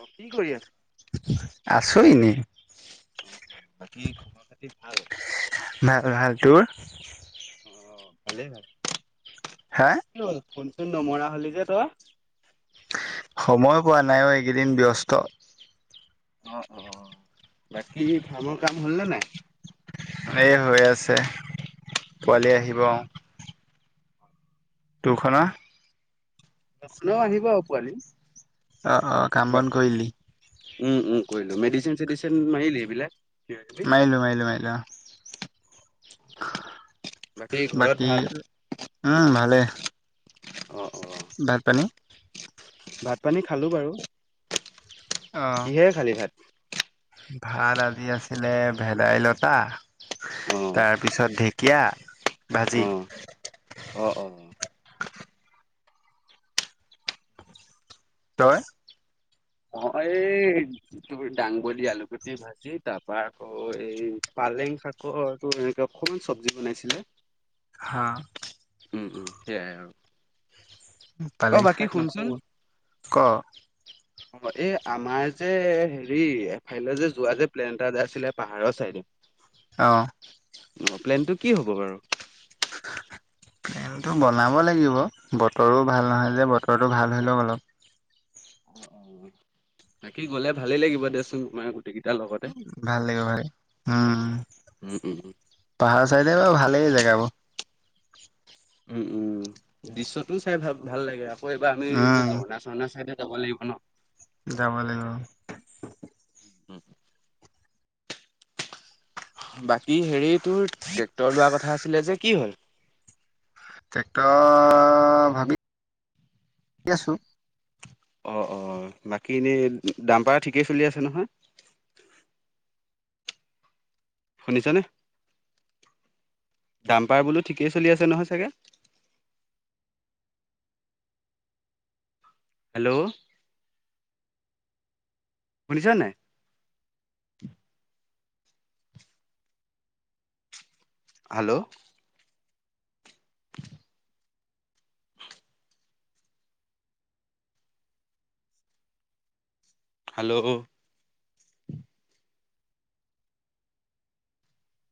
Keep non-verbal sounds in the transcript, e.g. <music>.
অ কি কৰি আছা <inaudible> আছো এনে। অ অ বাকী খবৰ পাতি ভাল <inaudible> ভাল-ভাল তোৰ। অ ভালেই ভাল হা কি ফনি <unintelligible> নমৰা হ'লি যে তই। <inaudible> সময়ো পোৱা নাই অ এইকেইদিন ব্যস্ত <inaudible> অ অ বাকী ফাৰ্মৰ কাম হ'ল ন নাই? এ হৈ আছে। অ পোৱালি অ। আহিব। তুখনা ন পোনাও আহিব পোৱালি। অ অ কাম বন কৰিলি? উম উম কৈৰিলো। মেডচিন চেডিচিন মাৰিলী এই বিলাক মাইলো মাইলো মাইলো অহ <inaudible> ঘৰত বাকী ভাল? উম ভালেই। অ অ ভাত-পানী? ভাত পানী খালো বাৰু। অ কিহেৰে খালি ভাত? ভাত আজি আছিলে ভেদাইলতা, অ তাৰপিছত ঢেকীয়া অ ভাজি। অ অ। তই? অ এই যি দাংবদি আলুগুটি ভাজি, তাৰ পা আকৌ এই পালেং শাকৰটো এনেকে অকমান চব্জি বনাইছিলে। হা। উম, উম, সেইয়াই আৰু। অ, পালেং বাকী শাক নকব, শুনচোন ক অ এই আমাৰ যে হেৰি এফালে যে যোৱা যে প্লেন এটা এ যে আছিলে পাহাৰৰ চাইডে, অহ অ, প্লেনটো কি হ'ব বাৰু? ফেনটো বনাব লাগিব। বতৰো ভাল নহয় যে বতৰটো ভাল হৈ লওক অলপ অ অ, বাকী গলে ভালেই লাগিব দেচোন তোমাৰ, গোটেইকেইটাৰ লগতে ভাল লাগিব ভাল লাগিব, উম, পাহাৰ চাইডে বাৰু ভালেই জেগাবোৰ। উম উম দৃশ্যটোও চাই ভাল ভাল লাগে আ প এইবাৰ আমি এই যে উম ঝৰ্ণা-ৰ্চৰ্ণা চাইডে যাব লাগিব ন? যাব লাগিব। উম বাকী হেৰিত তোৰ ট্ৰেক্টৰ লোৱা কথা আছিলে যে কি হ'ল? টেক্টৰ‌, ভাবি আছো। অ', অ', বাকী এনে ডাম্পাৰ ঠিকে চলি আছে নহয়, শুনিছা নে? দাম পাৰ বুলো ঠিকেই চলি আছে নহয় চাগে? হেল্ল। শুনিছা নাই? হেল্ল। হাল্ল।